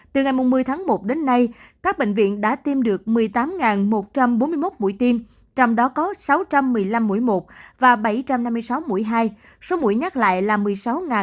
từ ngày một mươi tháng một đến nay các bệnh viện đã tiêm được một mươi tám một trăm bốn mươi một mũi tiêm trong đó có sáu trăm một mươi năm mũi một và bảy trăm năm mươi sáu mũi hai số mũi nhắc lại là một mươi sáu